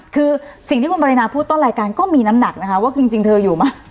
คือสิ่งที่คุณปรินาพูดต้นรายการก็มีน้ำหนักนะคะว่าจริงเธออยู่ไหม